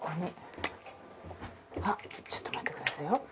あっちょっと待ってくださいよ。